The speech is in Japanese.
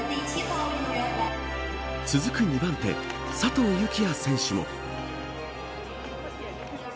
続く２番手佐藤幸椰選手も。